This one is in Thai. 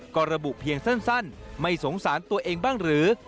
ก็ระบุเพียงสั้นไม่สงสารตัวเองบ้างหรือ